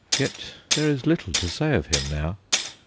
Yet there is little to say of him now.